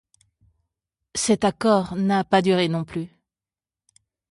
Cet accord n’a pas duré non plus.